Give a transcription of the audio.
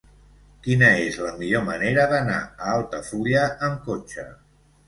Quina és la millor manera d'anar a Altafulla amb cotxe?